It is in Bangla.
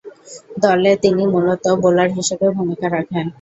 দলে তিনি মূলতঃ বোলার হিসেবে ভূমিকা রাখেন।